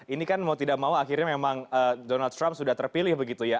ini kan mau tidak mau akhirnya memang donald trump sudah terpilih begitu ya